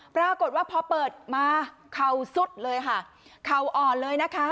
ปรากฏว่าพอเปิดมาเข่าสุดเลยค่ะเข่าอ่อนเลยนะคะ